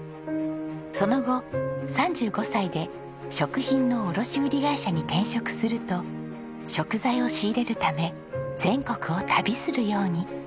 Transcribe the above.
その後３５歳で食品の卸売会社に転職すると食材を仕入れるため全国を旅するように。